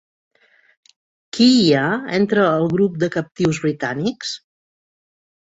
Qui hi ha entre el grup de captius britànics?